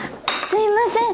すいません。